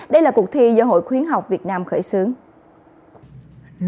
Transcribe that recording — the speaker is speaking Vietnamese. đây là cuộc thi do hội khuyến học việt nam khởi xướng